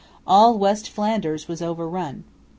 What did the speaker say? All west Flanders was overrun.